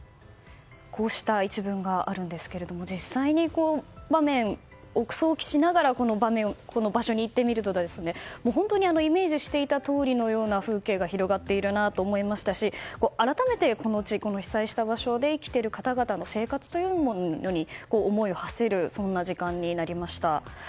こうした一文があるんですが実際に場面を想起しながらこの場所に行ってみると本当にイメージしていたとおりの風景が広がっているなと思いましたし改めてこの被災した場所で生きている方々の生活というものに思いを馳せる時間になりました。